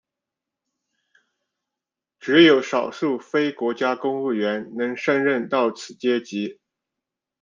只有少数非国家公务员能升任到此阶级。